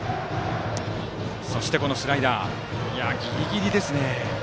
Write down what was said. スライダー、ギリギリですね。